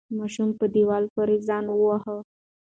ماشوم په دیوال پورې ځان وواهه.